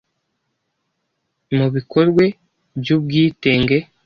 mu bikorwe by’ubwitenge